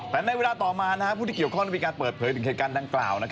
แต่ในเวลาต่อมาผู้ที่เกี่ยวข้องได้มีการเปิดเผยถึงเหตุการณ์ดังกล่าว